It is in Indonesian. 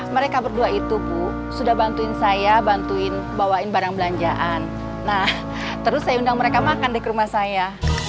mereka berdua itu bu sudah bantuin saya bantuin bawain barang belanjaan nah terus saya undang mereka makan di ke rumah saya